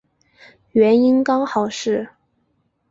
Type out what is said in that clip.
原因刚好是